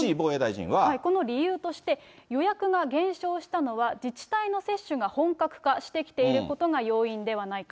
この理由として、予約が減少したのは、自治体の接種が本格化してきていることが要因ではないか。